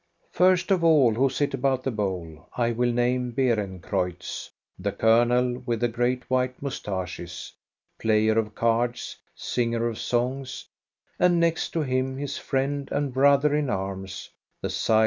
First of all who sit about the bowl will I name Beerencreutz, the colonel with the great white mous taches, player of cards, singer of songs; and next to him, his friend and brother in*arms, the silent